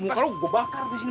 muka lo gue bakar di sini